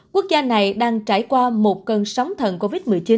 quốc gia này đang trải qua một cơn sóng thần covid một mươi chín